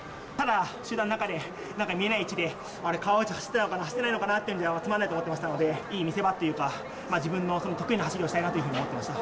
集団の中で、川内は走っているのかな、走ってないのかなというのじゃ、つまらないと思ってましたので、いい見せ場というか、自分の得意な走りをしたいなというふうに思っていました。